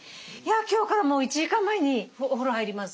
今日からもう１時間前にお風呂入ります。